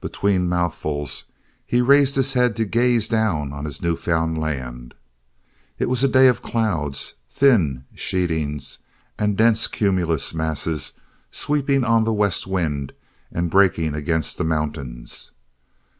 Between mouthfuls he raised his head to gaze down on his new found land. It was a day of clouds, thin sheetings and dense cumulus masses sweeping on the west wind and breaking against the mountains.